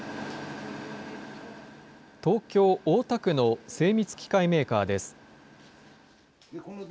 東京・大田区の精密機械メーカーです。